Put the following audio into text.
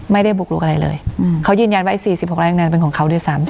ไม่ได้บุกลุกอะไรเลยอืมเขายืนยันว่าไอ้สี่สิบกว่าไร่อย่างนั้นเป็นของเขาด้วยซ้ำ